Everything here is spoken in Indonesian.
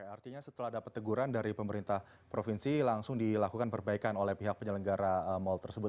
artinya setelah dapat teguran dari pemerintah provinsi langsung dilakukan perbaikan oleh pihak penyelenggara mal tersebut